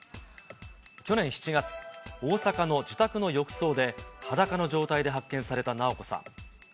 去年７月、大阪の自宅の浴槽で、裸の状態で発見された直子さん。